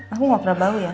aku gak pernah bau ya